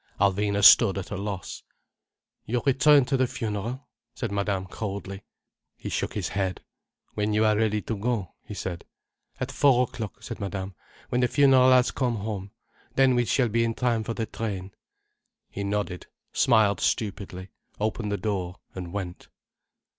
Alvina stood at a loss. "You return to the funeral?" said Madame coldly. He shook his head. "When you are ready to go," he said. "At four o'clock," said Madame, "when the funeral has come home. Then we shall be in time for the train." He nodded, smiled stupidly, opened the door, and went.